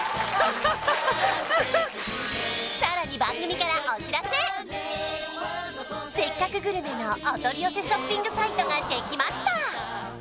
さらに「せっかくグルメ！！」のお取り寄せショッピングサイトができました